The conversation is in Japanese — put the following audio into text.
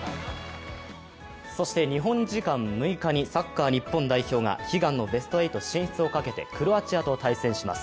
そして日本時間６日にサッカー日本代表が悲願のベスト８進出をかけてクロアチアと対戦します。